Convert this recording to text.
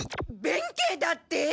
弁慶だって！？